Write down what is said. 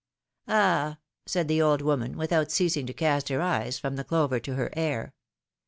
said the old woman, without ceasing to cast her eyes from the clover to her heir.